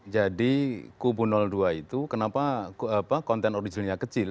jadi kubu dua itu kenapa konten originalnya kecil